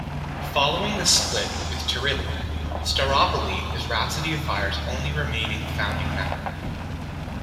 Following the split with Turilli, Staropoli is Rhapsody of Fire's only remaining founding member.